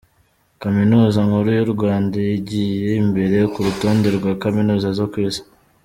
Kaminuza Nkuru y’u Rwanda yigiye imbere ku rutonde rwa Kaminuza zo ku isi